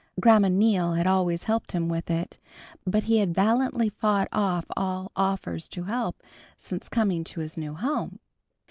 Grandma Neal had always helped him with it, but he had valiantly fought off all offers of help since coming to his new home.